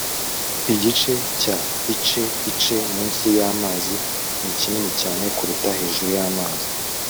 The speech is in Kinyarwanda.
Igice cya ice ice munsi yamazi ni kinini cyane kuruta hejuru yamazi